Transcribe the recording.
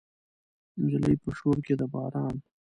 نجلۍ په شور کې د باران